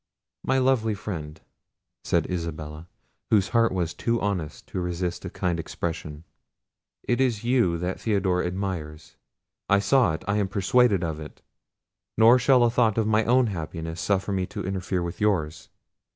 "My lovely friend," said Isabella, whose heart was too honest to resist a kind expression, "it is you that Theodore admires; I saw it; I am persuaded of it; nor shall a thought of my own happiness suffer me to interfere with yours."